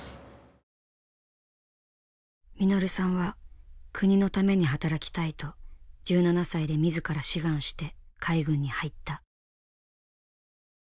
實さんは国のために働きたいと１７歳で自ら志願して海軍に入った。